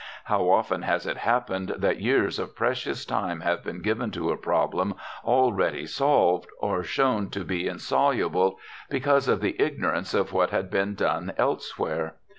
How often has it happened that years of precious time have been given to a problem already solved or shown to be insoluble, because of the ignorance of what had been done elsewhere.